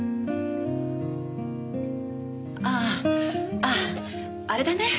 あああれだね。